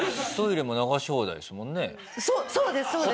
そうですそうです！